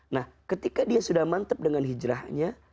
nah ketika dia sudah mantep dengan hijrahnya